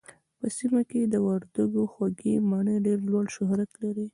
په سيمه کې د وردګو خوږې مڼې ډېر لوړ شهرت لري